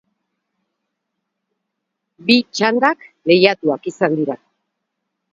Bi txandak lehiatuak izan dira.